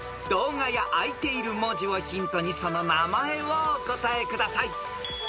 ［動画や開いている文字をヒントにその名前をお答えください］